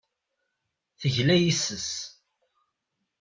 Tegla yes-s.